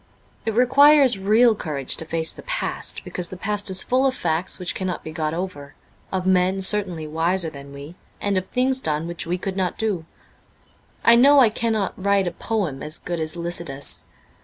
It requires real courage to face the past, because the past is full of facts which cannot be got over ; of men certainly wiser than we, and of things done which we could not do. I know I cannot write a poem as good as 'Lycidas.'